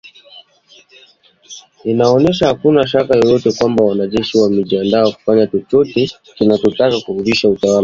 Inaonyesha hakuna shaka yoyote kwamba wananchi wamejiandaa kufanya chochote kinachohitajika ili kurejesha utu wao